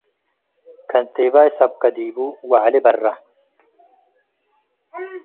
ከንቴባይ ሰብከ ዲቡ - ወዐሊ-በረ